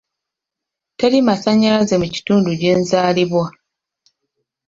Teri masannyalaze mu kitundu gye nzaalibwa.